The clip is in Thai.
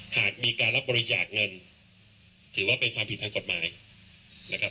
หากมีการรับบริจาคเงินถือว่าเป็นความผิดทางกฎหมายนะครับ